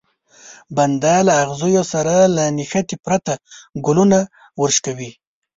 بنده له ازغيو سره له نښتې پرته ګلونه ورشکوي.